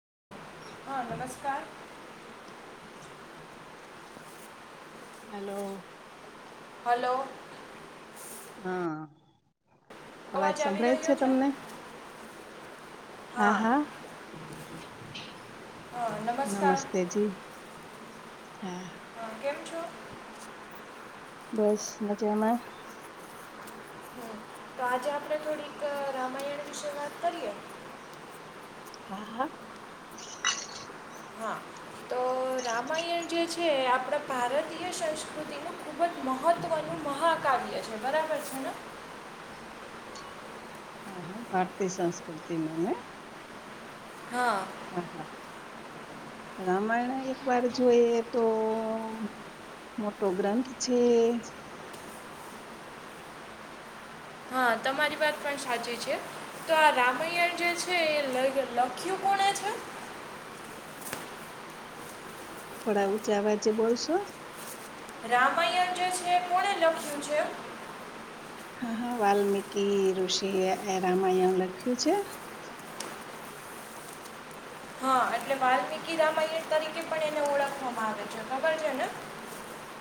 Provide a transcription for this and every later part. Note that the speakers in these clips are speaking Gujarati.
[inaudible] હા નમસ્કાર. હલો. હલો. હા. અવાજ સંભળાય જ છે તમને હા હ નમસ્કાર નમસ્તેજી હા હ કેમ છો? બસ મજામાં. હમ તો આજે આપડે થોડીક રામાયણ વિશે વાત કરીએ. હા હા હા તો રામાયણ જે છે આપણા ભારતીય સંસ્કૃતિનું ખુબ જ મહત્વનું મહાકાવ્ય છે બરાબર છે ને. હા હા ભારતીય સંસ્કૃતિ નુંને હા, હા. રામાયણ એક વાર જોઈ તો મોટો ગ્રંથ છે. હા તમારી વાત પણ સાચી છે તો આ રામયણ જે છે એ લખ્યું કોણે છે? થોડા ઊંચા વાચે બોલશો? રામાયણ જે છે કોને લખ્યું છે? હા હા વાલ્મીિકી ઋષિએ રામાયણ લખ્યું છે. હા એટલે વાલ્મીકી રામાયણ તરીકે પણ એને ઓળખવામાં આવે છે. ખબર છે ને?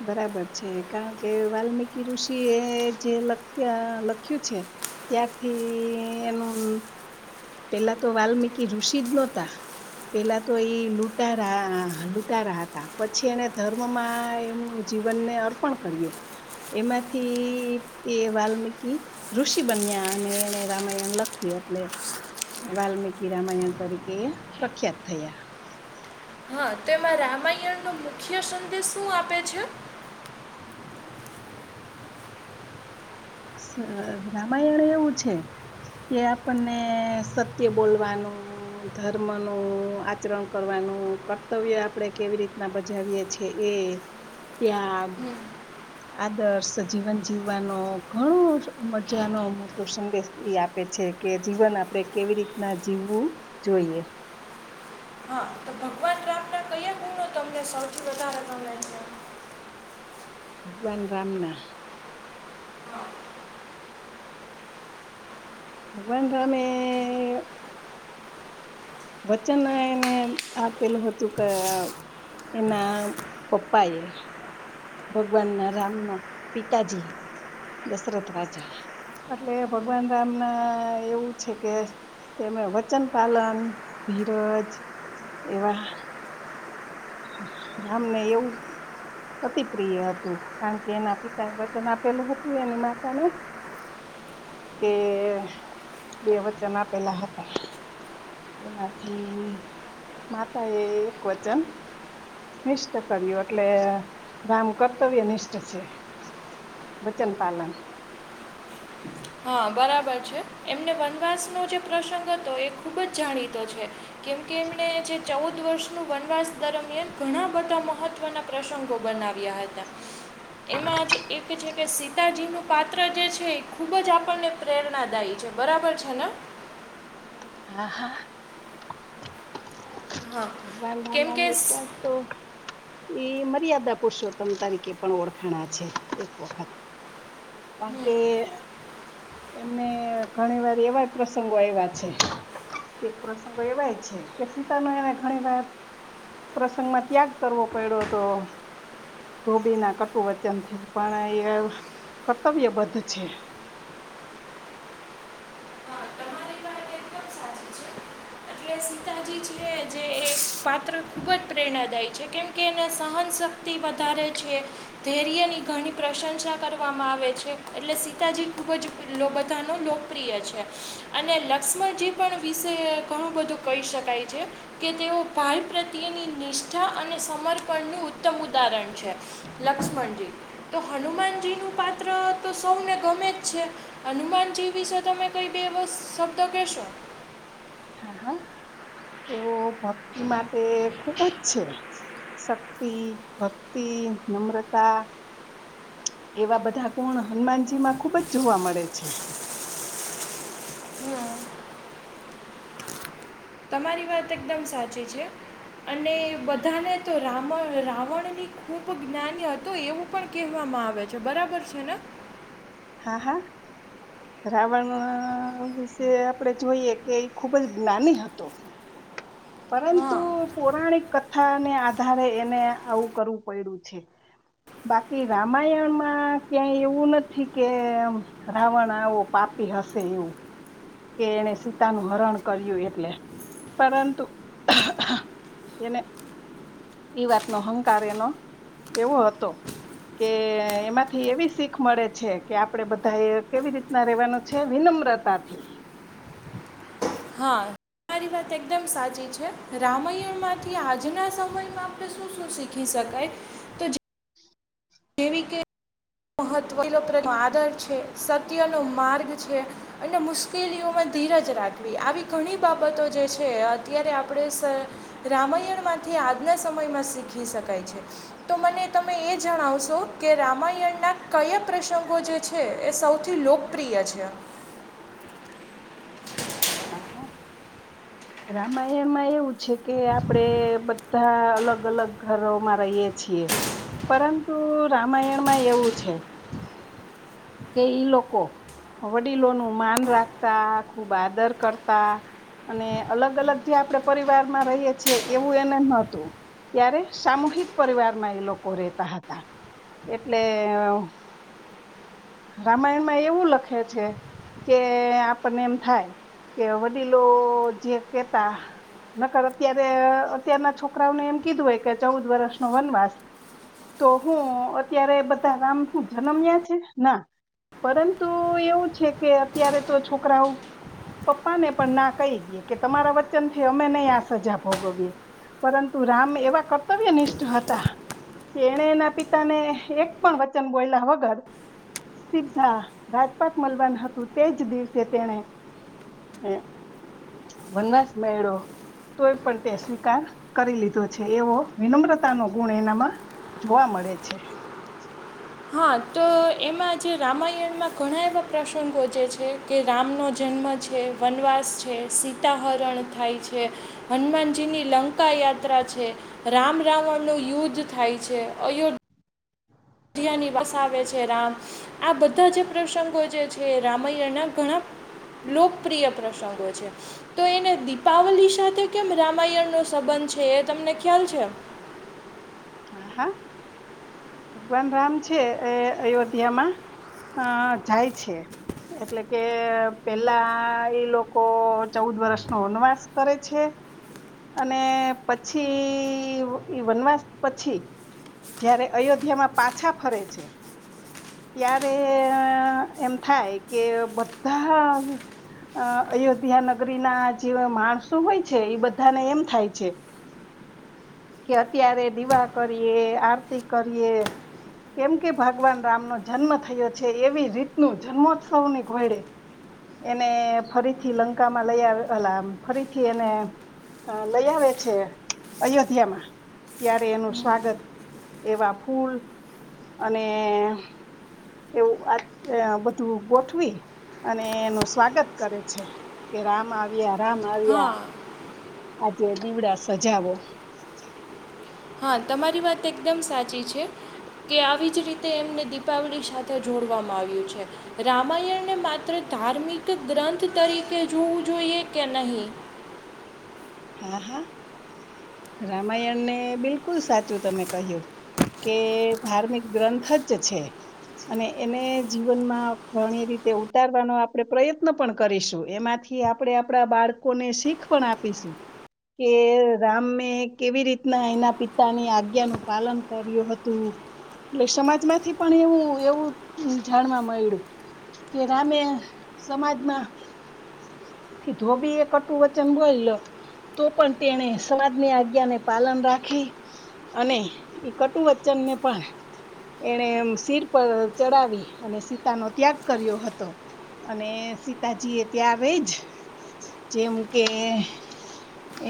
બરાબર છે. કારણ કે વાલ્મિકી ઋષિ એ જે લખ લખ્યું છે ત્યારથી એનું પેલા તો વાલ્મિકી ઋષિ જ નહોતા પેલા તો એઈ લૂટારા લૂટારા હતા પછી એને ધર્મમાં એ જીવનને અર્પણ કર્યું. એમાંથી એ વાલ્મિકી ઋષિ બન્યા અને એને રામાયણ લખ્યું એટલે વાલ્મીિકી રામાયણ તરીકે એ પ્રખ્યાત થયા. હા તો એમાં રામાયણ નો મુખ્ય સંદેશ શું આપે છે? રામાયણ એવું છે કે આપણને સત્ય બોલવાનું, ધર્મનું આચરણ કરવાનું, કર્તવ્ય આપણેે કેવી રીતના બજાવીએ છેએ એ ત્યાગ, આદર્શ જીવન જીવવાનો. ઘણો મજાનો મોટો સંદેશ એ આપે છે કે જીવન આપણે કેવી રીતના જીવવું જોઈએ. હા તો ભગવાન રામના કયા ગુણો તમને સૌથી વધારે ગમે છે. ભગવાન રામના. ભગવાન રામે વચન એને આપેલું હતું કે એના પપ્પા એ ભગવાન ના રામના પિતાજી દશરથ રાજા એટલે ભગવાન રામના એવું છે કે એ વચન પાલન ધીરજ એવા રામને એવું અતિ પ્રિય હતું. કારણ કે એના પિતાને વચન આપેલું હતું એની માતાને કે બે વચન આપેલા હતા. એમાંથી માતા એ એક વચન નિષ્ઠ કર્યું એટલે રામ કર્તવ્ય નિષ્ઠ છે. વચન પાલન. હા બરાબર છે. એમને વનવાસનો જે પ્રસંગ હતો એ ખૂબ જ જાણીતો છે કેમ કે એમને જે ચૌદ વર્ષનું વનવાસ દરમિયાન ઘણા બધા મહત્વના પ્રસંગો બનાવ્યા હતા. એમાંજ એક છે કે સિ તાજીનું પાત્ર જે છે ખૂબ જ આપણને પ્રેરણાદાયી છે. બરાબર છે ને? હા હા. હા ભગવાન કેમ રામનામ કે સ- એકવાર તો એ મર્યાદા પુરુષોત્તમ તરીકે પણ ઓળખાણા છે એક વખત. કારણ કે એમને ઘણી વાર એવા પ્રસંગો આવ્યા છે એક પ્રસંગો એવાય છે કે સીતાનો એને ઘણી વાર પ્રસંગમાં ત્યાગ કરવો પડ્યો હતો. ધોબીના કટુ વચનથી પણ એ કર્તવ્યબદ્ધ છે. હા, તમારી વાત તાજી છે જે એ પાત્ર ખૂબ જ પ્રેરણાદાયી છે. કેમ કે એને સહનશક્તિ વધારે છે. ધૈર્યની ઘણી પ્રશંસા કરવામાં આવે છે. એટલે સીતાજી ખૂબ જ બધાનો લોકપ્રિય છે અને લક્ષ્મણજી પણ વિશે ઘણું બધું કહી શકાય છે કે તેઓ ભાઈ પ્રત્યેની નિષ્ઠા અને સમર્પણ નું ઉત્તમ ઉદાહરણ છે લક્ષ્મણજી તો હનુમાનજી નું પાત્ર તો સૌને ગમે જ છે હનુમાનજી વિશે તમે કઈ બે શબ્દ કેશો. હા હા, એઓ ભક્તિ માટે ખુબ જ છે શક્તિ, ભક્તિ, નમ્રતા એવા બધા ગુણ હનુમાનજી માં ખુબ જ જોવા મળે છે. તમારી વાત એકદમ સાચી છે અને બધાને તો રાવણ રાવણની ખૂબ જ્ઞાની હતું એવું પણ કહેવામાં આવે છે. બરાબર છે ને? હા હા, રાવણ વિશે આપડે જોઈએ કે એ ખુબ જ જ્ઞાની હતો. પરંતુ હા પૌરાણિક કથાને આધારે એને આવું કરવું પડ્યું છે. બાકી રામાયણમાં ક્યાંય એવું નથી કે રાવણ આવો પાપી હશે એવું. કે એને સીતાનું હરણ કર્યું એટલે પરંતુ એને એ વાતનો હંકાર એનો એવો હતો કે એમાંથી એવી શીખ મળે છે કે આપણેે બધા એ કેવી રીતના રહેેવાનું છે વિનમ્રતાથી. હા મારી વાત એકદમ સાચી છે. રામાયણમાંથી આજના સમયમાં આપણે શું શું શીખી શકાય તો જેવી કે મહત્વ [unintelligible] આદર છે, સત્યનો માર્ગ છે અને મુશ્કેલીઓમાં ધીરજ રાખવી આવી ઘણી બાબતો જે છે અત્યારે આપણે રામાયણમાંથી આજના સમયમાં શીખી શકાય છે. તો મને તમે એ જણાવશો કે રામાયણ ના કયા પ્રસંગો જે છે એ સૌથી લોકપ્રિય છે. હા હા, રામાયણમાં એવું છે કે આપડે બધા અલગ અલગ ઘરોમાં રહીએ છીએ. પરંતુ રામાયણમાં એવું છે કે ઈ લોકો વડીલોનું માન રાખતા, ખૂબ આદર કરતા અને અલગ અલગ જે આપણે પરિવારમાં રહીએ છએ એવું એને નોતું. ત્યારે સામૂહિક પરિવારમાં એ લોકો રહેેતા હતા એટલે રામાયણમાં એવું લખે છે કે આપણને એમ થાય કે વડીલો જે કેતા નકર અત્યારે અત્યારના છોકરાઓને એમ કીધું હોય કે ચૌદ વર્ષ નો વનવાસ તો હું અત્યારે બધા રામ નું જન્મ્યા છે. ના, પરંતુ એવું છે કે અત્યારે તો છોકરાઓ પપ્પાને પણ ના કહી દે કે તમારા વચનથી અમે નહી આ સજા ભોગવીએ પરંતુ રામ એવા કર્તવ્યનિષ્ઠ હતા કે એને એના પિતાને એક પણ વચન બોલ્યા વગર સીધા રાજપાત મળલવાન હતું તેજ દિવસે તેને વનવાસ મેળ્યો તોય પણ તે સ્વીકાર કરી લીધો છે. એવો વિનમ્રતા નો ગુણ એનામાં જોવા મળે છે. હા તો એમાં જે રામાયણમાં ઘણા એવા પ્રસંગો જે છે કે રામનો જન્મ છે, વનવાસ છે, સીતાહરણ થાય છે, હનુમાનજીની લંકા યાત્રા છે, રામ રાવણનું યુદ્ધ થાય છે, અયોધ્ય ધ્યા ની વસાવે છે રામ આ બધા જે પ્રસંગો જે છે રામાયણના ઘણા લોકપ્રિય પ્રસંગો છે તો એને દીપાવલી સાથે કેમ રામાયણનો સંબંધ છે એ તમને ખ્યાલ છે. હાં હાં. ભગવાન રામ છે એ અયોધ્યામાં અ જાય છે. એટલે કે પેલા એ લોકો ચૌદ વર્ષ નો વનવાસ કરે છે અને પછી એ વનવાસ પછી જ્યારે અયોધ્યામાં પાછા ફરે છે. ત્યારે એમ થાય કે બધા અ અયોધ્યા નગરી ના જે માણસો હોય છે એ બધાને એમ થાય છે કે અત્યારે દીવા કરીએ, આરતી કરીએ કેમ કે ભગવાન રામનો જન્મ થયો છે એવી રીત ન જન્મોત્સવની ઘોડે એને ફરીથી લંકામાં લઈ આવેલા ફરીથી એને લઈ આવે છે અયોધ્યામાં ત્યારે એનું સ્વાગત એવા ફૂલ અને એવું આ બધું ગોઠવી અને એનું સ્વાગત કરે છે. કે રામ આવ્યા, રામ આવ્યા હા આજે દીવડા સજાવો. હા તમારી વાત એકદમ સાચી છે કે, આવી જ રીતે એમને દીપાવલી સાથે જોડવામાં આવ્યું છે. રામાયણને માત્ર ધાર્મિક ગ્રંથ તરીકે જોવું જોઈએ કે નહીં. હા હા રામાયણને બિલકુલ સાચું તમે કહ્યું કે ધાર્મિક ગ્રંથ જ છે. અને એને જીવનમાં ઘણી રીતે ઉતારવાનો આપણે પ્રયત્ન પણ કરીશું. એમાંથી આપણે આપણા બાળકોને શીખ પણ આપીશું. કે રામે કેવી રીતના એના પિતાની આજ્ઞાનું પાલન કર્યું હતું. એટલે સમાજમાંથી પણ એવું એવું જાણવા મળ્યું, કે રામે સમાજમાંથી ધોબી એ કટું વચન બોલ્યો તો પણ તેણે સમાજની આજ્ઞાને પાલન રાખી અને એ કટુવચનને પણ એણે શિર પર ચડાવી અને સીતાનો ત્યાગ કર્યો હતો. અને સીતાજી એ ત્યાં આવે જ જેમ કે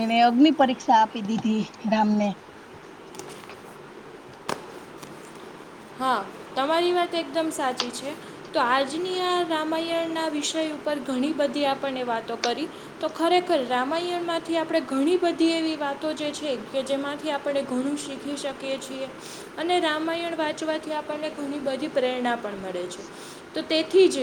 એને અગ્નિ પરીક્ષા આપી દીધી રામને. હા તમારી વાત એકદમ સાચી છે. તો આજની આ રામાયણના વિષય ઉપર ઘણી બધી આપણને વાતો કરી. તો ખરેખર રામાયણ માંથી આપણે ઘણી બધી એવી વાતો જે છે, કે જેમાંથી આપણે ઘણું શીખી શકીએ છીએ, અને રામાયણ વાત ચવાથી આપણને ઘણી બધી પ્રેરણા પણ મળે છે. તો તેથી જ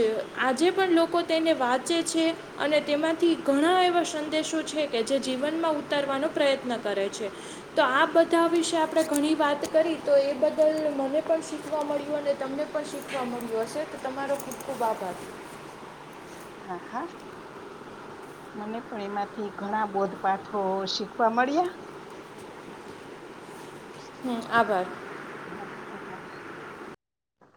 આજે પણ લોકો તેને વાંચે છે. અને તેમાંથી ઘણા એવા સંદેશો છે, કે જે જીવનમાં ઉતારવાનો પ્રયત્ન કરે છે. તો આ બધા વિશે આપણે ઘણી વાત કરી તો એ બદલ મને પણ શીખવા મળ્યું અને તમને પણ શીખવા મળ્યું હશે તો તમારો ખૂબ ખુબ આભાર. હા હા મને પણ એમાંથી ઘણા બોદ્ધપાઠો શીખવા મળ્યા. હમ આભાર હા હા આભાર.